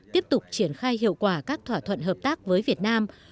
tiếp tục triển khai hiệu quả các thỏa thuận hợp tác với việt nam